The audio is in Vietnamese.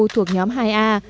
thuộc nhóm hai a